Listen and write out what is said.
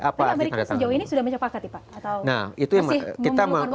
apa arti tanda tanganmu